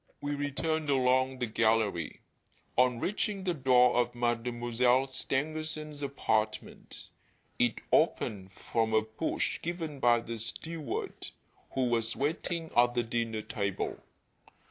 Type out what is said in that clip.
We returned along the gallery. On reaching the door of Mademoiselle Stangerson's apartment, it opened from a push given by the steward who was waiting at the dinner table.